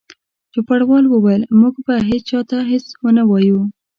چوپړوال وویل: موږ به هیڅ چا ته هیڅ ونه وایو.